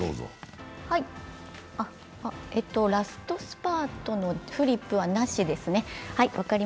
ラストスパートのフリップはなしですね。